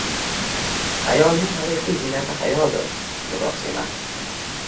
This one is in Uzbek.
Ayolning haqiqiy ziynati hayodir, libos emas.